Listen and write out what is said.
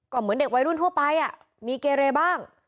ก็เหมือนเด็กวัยรุ่นทั่วไปมีเกเรบ้าง